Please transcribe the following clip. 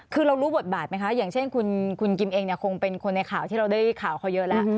คือเรารู้บทบาทไหมคะอย่างเช่นคุณกิมเองคงเป็นคนในข่าวที่เราได้ข่าวเขาเยอะแล้ว